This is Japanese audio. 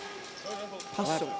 パッション。